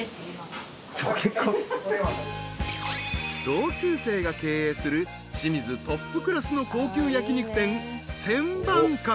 ［同級生が経営する清水トップクラスの高級焼き肉店千番閣］